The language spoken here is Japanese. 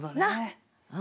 うん。